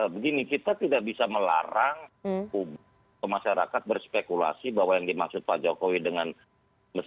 begini kita tidak bisa melarang kemasyarakat berspekulasi bahwa yang dimaksud pak jokowi dengan mungkin yang akan kita dukung